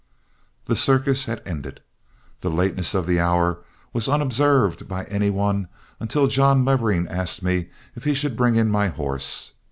'" The circus had ended. The lateness of the hour was unobserved by any one until John Levering asked me if he should bring in my horse.